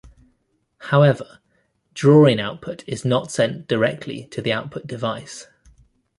However, drawing output is not sent directly to the output device.